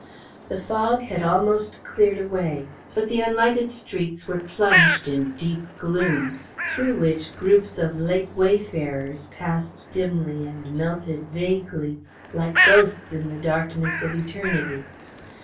The fog had almost cleared away, but the unlighted streets were plunged in deep gloom, through which groups of late wayfarers passed dimly and melted vaguely, like ghosts in the darkness of eternity.